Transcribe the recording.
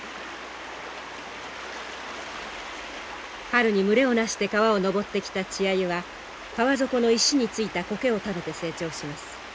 春に群れをなして川を上ってきた稚アユは川底の石についた苔を食べて成長します。